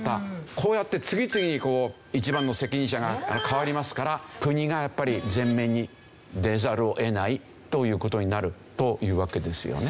こうやって次々に一番の責任者が変わりますから国がやっぱり前面に出ざるを得ないという事になるというわけですよね。